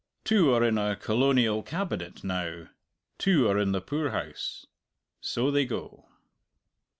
Two are in a Colonial Cabinet now, two are in the poorhouse. So they go.